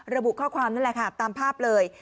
ระบุข้อความนั่นแหละค่ะตามภาพเลย